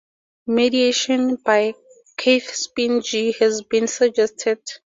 Mediation by cathepsin G has been suggested.